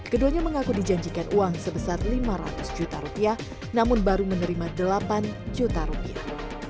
keduanya mengaku dijanjikan uang sebesar lima ratus juta rupiah namun baru menerima delapan juta rupiah